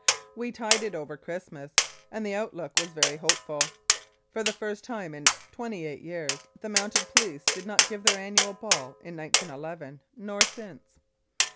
We tided over Christmas Day, and the outlook was very hopeful. For the first time in twenty eight years, the Mounted Police did not give their annual ball in 1911, nor since.